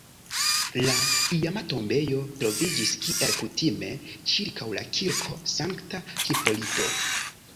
La iama tombejo troviĝis, kiel kutime, ĉirkaŭ la kirko Sankta Hipolito.